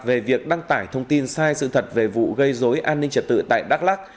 về việc đăng tải thông tin sai sự thật về vụ gây dối an ninh trật tự tại đắk lắc